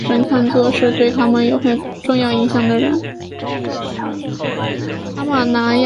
阿马迪纳是巴西巴伊亚州的一个市镇。